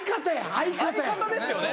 相方ですよね。